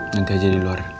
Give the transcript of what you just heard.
nanti aja di luar